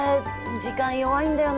時間、弱いんだよな。